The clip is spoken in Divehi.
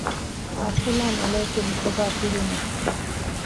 އައްސަލާމު ޢަލައިކުމް ކޮބާ ކިހިނެތް؟